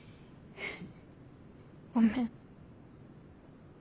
ごめん。